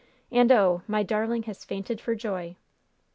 And oh! my darling has fainted for joy!"